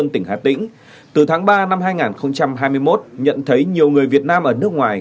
tỉnh hà tĩnh từ tháng ba năm hai nghìn hai mươi một nhận thấy nhiều người việt nam ở nước ngoài